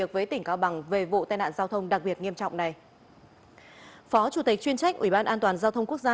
xin chào và hẹn gặp lại